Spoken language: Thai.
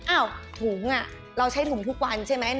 อ้าวถุงอ่ะเราใช้ถุงทุกวันใช่ไหม